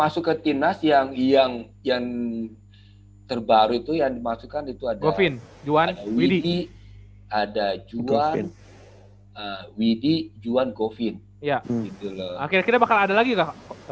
akhirnya bakal ada lagi kak